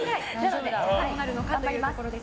頑張ります！